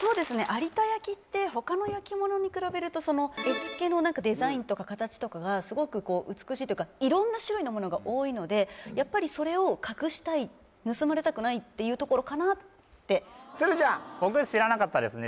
有田焼って他の焼き物に比べるとその絵付けのデザインとか形とかがすごく美しいというか色んな種類のものが多いのでやっぱりっていうところかなって鶴ちゃん僕知らなかったですね